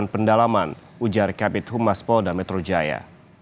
ini bukan pendalaman ujar kb tumas polda metro jaya